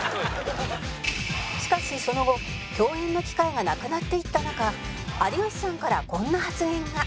「しかしその後共演の機会がなくなっていった中有吉さんからこんな発言が」